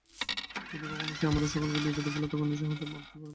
যদি কখনো সে আমাদের সকলকে বিপদে ফেলে, তাকে নিজের হাতে মারতে পার না?